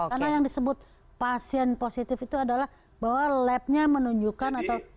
karena yang disebut pasien positif itu adalah bahwa labnya menunjukkan atau